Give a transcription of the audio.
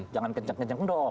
jangan kencang kencang dong